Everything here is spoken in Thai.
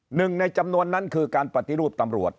หนึ่งในจำนวนนั้นคือการปฏิรูปตำรวจ